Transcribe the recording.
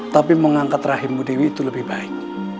tapi mengangkat rahim bu dewi itu lebih baik